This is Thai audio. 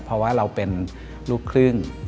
เพราะว่าเราเป็นลูกครึ่ง